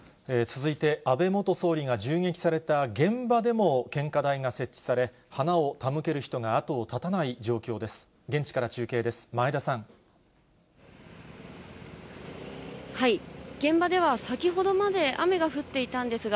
続いて、安倍元総理が銃撃された現場でも、献花台が設置され、花を手向ける人が後を絶たない状況です。